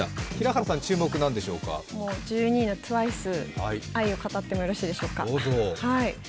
１２位のＴＷＩＣＥ、愛を語ってもよろしいでしょうか？